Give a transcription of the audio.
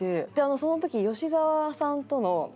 その時吉沢さんとの。